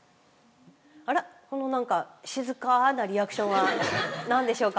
あらこの何か静かなリアクションは何でしょうか。